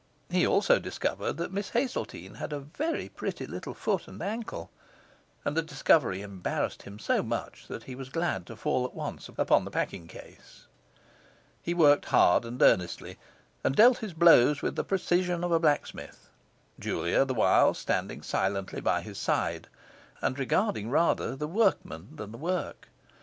He also discovered that Miss Hazeltine had a very pretty little foot and ankle; and the discovery embarrassed him so much that he was glad to fall at once upon the packing case. He worked hard and earnestly, and dealt his blows with the precision of a blacksmith; Julia the while standing silently by his side, and regarding rather the workman than the work.